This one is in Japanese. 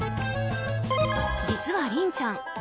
実はりんちゃん